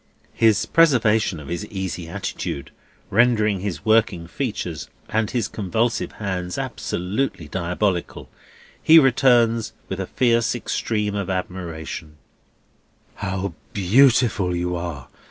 His preservation of his easy attitude rendering his working features and his convulsive hands absolutely diabolical, he returns, with a fierce extreme of admiration: "How beautiful you are!